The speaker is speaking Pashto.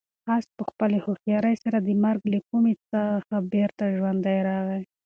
آس په خپلې هوښیارۍ سره د مرګ له کومې څخه بېرته ژوند ته راغی.